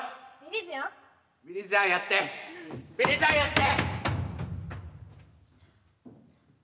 ビリジアンやってビリジアンやって！